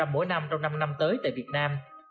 mỗi năm trong năm năm tới tại việt nam